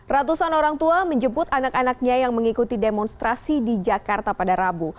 ratusan orang tua menjemput anak anaknya yang mengikuti demonstrasi di jakarta pada rabu